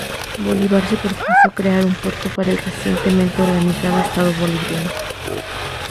Bolívar se propuso crear un puerto para el recientemente organizado estado boliviano.